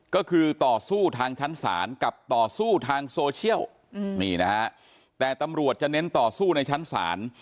ก็คือต่อสู้ทางชั้นศาลกับต่อสู้ทางโซเชียลนี่นะฮะแต่ตำรวจจะเน้นต่อสู้ในชั้นศาล